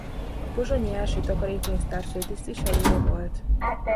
A pozsonyi Első Takarékpénztár főtisztviselője volt.